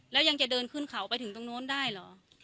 แล้วยังจะเดินขึ้นเขาไปถึงตรงโน้นได้เหรอ